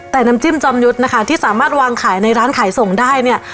แต่น้ำจิ้มจอมยุทธ์นะคะที่สามารถวางขายในร้านขายส่งได้เนี่ย